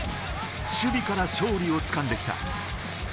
守備から勝利をつかんできた。